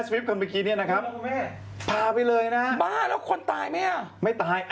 สวิปกันเมื่อกี้เนี่ยนะครับผ่าไปเลยนะบ้าแล้วคนตายมั้ยไม่ตาย